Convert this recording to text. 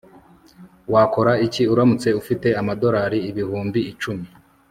Wakora iki uramutse ufite amadorari ibihumbi icumi